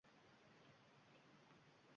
So’nggi chora etmoq bor.